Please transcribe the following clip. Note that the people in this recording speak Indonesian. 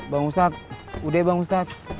bang ustadz udah bang ustadz